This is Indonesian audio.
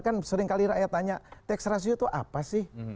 kan seringkali rakyat tanya tax ratio itu apa sih